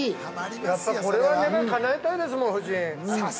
やっぱ、これは、願いかなえたいですもん、夫人。